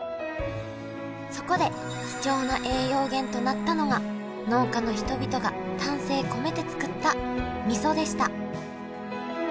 そこで貴重な栄養源となったのが農家の人々が丹精込めて作ったみそでした。